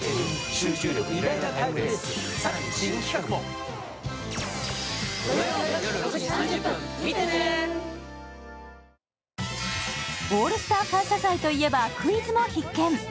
三ツ矢サイダー』「オールスター感謝祭」といえばクイズも必見。